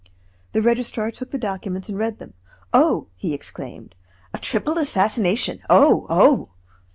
The registrar took the documents and read them. "Oh!" he exclaimed, "a triple assassination! Oh! oh!"